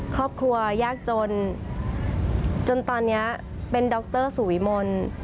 ครอบครัวแยกจนจนตอนเนี้ยเป็นดอคเตอร์สุวิมล